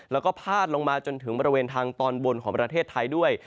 แล้วก็พาดลงมาจนถึงบริเวณทางตอนบนของประเทศไทยด้วย